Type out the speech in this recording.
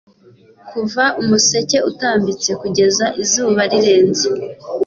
Kuva umuseke utambitse kugeza izuba rirenze